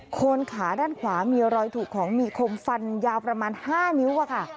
คนขาด้านขวามีรอยถูกของมีคมฟันยาวประมาณ๕นิ้วค่ะ